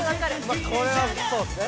まあこれはそうっすね。